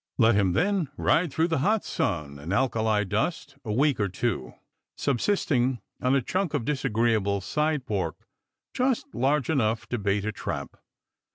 Let him then ride through the hot sun and alkali dust a week or two, subsisting on a chunk of disagreeable side pork just large enough to bait a trap.